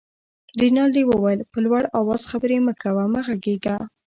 رینالډي وویل: په لوړ آواز خبرې مه کوه، مه غږېږه.